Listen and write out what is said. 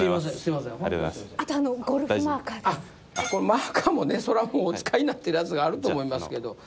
マーカーもそらお使いになってるやつがあると思いますけど。